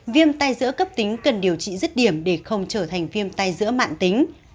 viêm tay giữa cấp tính cần điều trị rất điểm để không trở thành viêm tay giữa mạng tính